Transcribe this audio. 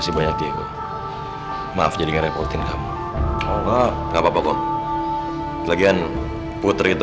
sampai jumpa di video selanjutnya